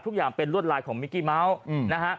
ทุกอย่างเป็นรวดลายของมิกกี้เมาส์นะฮะ